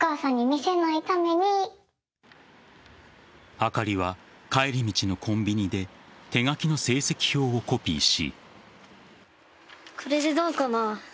あかりは帰り道のコンビニで手書きの成績表をコピーし。